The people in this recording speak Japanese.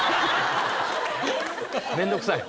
面倒くさい。